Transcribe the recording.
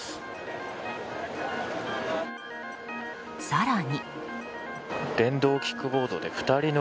更に。